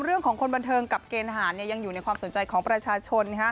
เรื่องของคนบันเทิงกับเกณฑ์ทหารยังอยู่ในความสนใจของประชาชน